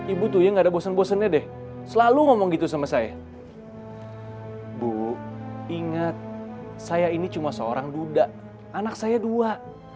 jadi ya ibu tuh ya nggak ada bosen bosennya deh selalu ngomong gitu sama saya bu ingat saya ini cuma seorang duda anak saya dua